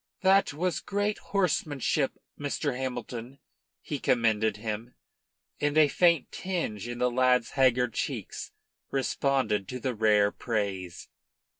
"That was great horsemanship, Mr. Hamilton," he commended him; and a faint tinge in the lad's haggard cheeks responded to that rare praise.